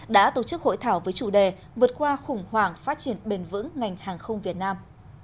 đã tổ chức hội thảo với chủ đề vượt qua khủng hoảng phát triển bền vững ngành hàng không việt nam